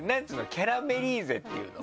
キャラメリーゼっていうの？